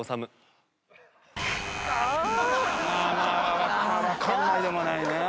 まあまあわかんないでもないね。